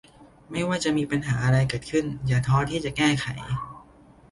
ไม่ว่าจะมีปัญหาอะไรเกิดขึ้นอย่าท้อที่จะแก้ไข